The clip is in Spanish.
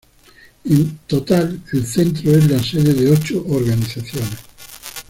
En total, el centro es la sede de ocho organizaciones.